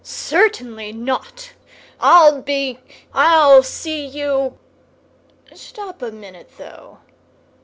Certainly not! I'll be—I'll see you——Stop a minute, though!